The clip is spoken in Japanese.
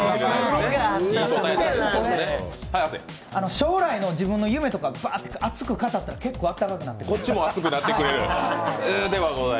将来の自分の夢とか熱く語ったら結構温かくなる。